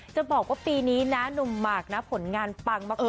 จะบอกว่าปีนี้นุ่มมาร์คผลงานปังมาก